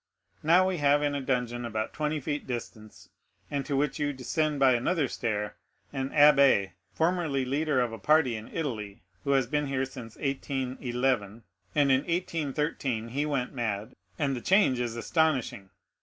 Now we have in a dungeon about twenty feet distant, and to which you descend by another stair, an old abbé, formerly leader of a party in Italy, who has been here since 1811, and in 1813 he went mad, and the change is astonishing.